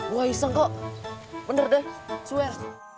wah iseng kok bener deh swear